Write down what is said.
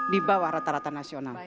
di bawah rata rata nasional